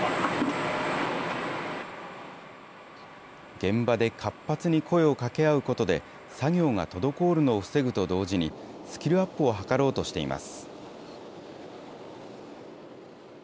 現場で活発に声をかけ合うことで、作業が滞るのを防ぐと同時に、スキルアップを図ろうとしています。